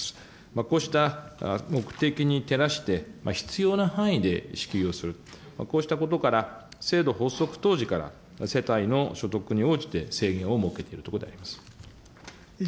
こうした目的に照らして、必要な範囲で支給をすると、こうしたことから、制度発足当時から、世帯の所得に応じて制限を設けているところであります。